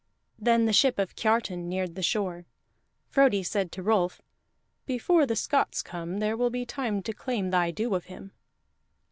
Then the ship of Kiartan neared the shore. Frodi said to Rolf: "Before the Scots come there will be time to claim thy due of him."